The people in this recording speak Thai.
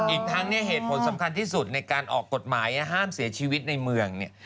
อีกทั้งเนี่ยเหตุผลสำคัญที่สุดในการออกกฎหมายห้ามเสียชีวิตในเมืองเนี่ย